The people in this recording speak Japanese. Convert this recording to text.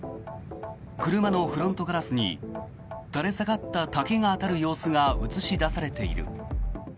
車のフロントガラスに垂れ下がった竹が当たる様子が映し出されている。